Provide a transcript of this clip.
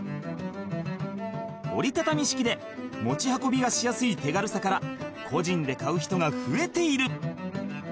［折り畳み式で持ち運びがしやすい手軽さから個人で買う人が増えている］